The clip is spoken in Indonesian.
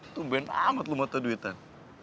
tumben amat lo mata duitan